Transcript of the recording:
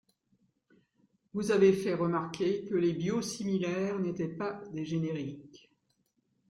Vous avez fait remarquer que les biosimilaires n’étaient pas des génériques.